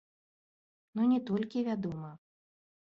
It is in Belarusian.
Ну, не толькі, вядома.